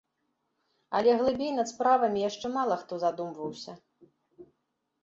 Але глыбей над справамі яшчэ мала хто задумваўся.